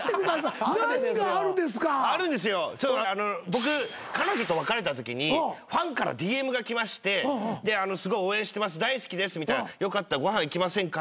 僕彼女と別れたときにファンからＤＭが来まして「すごい応援してます大好きです」みたいな「よかったらご飯行きませんか？」